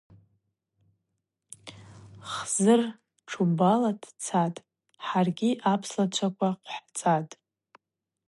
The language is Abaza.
Хзыр тшубала дцатӏ, хӏаргьи апслачваква хъвхӏцӏатӏ.